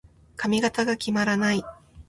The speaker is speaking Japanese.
髪型が決まらない。